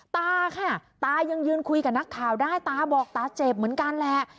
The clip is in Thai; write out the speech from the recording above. ตาค่ะตายังยืนคุยกับนักข่าวได้ตาบอกตาเจ็บเหมือนกันแหละ